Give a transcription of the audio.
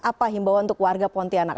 apa himbauan untuk warga pontianak